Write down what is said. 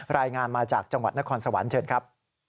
รายงานมาจากจังหวัดนครสวรรค์เชิญครับ